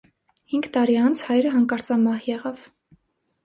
Հինգ տարի անց հայրը հանկարծամահ եղավ։